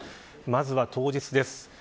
まずは当日です。